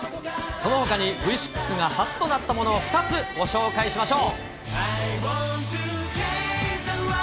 そのほかにＶ６が初となったもの、２つご紹介しましょう。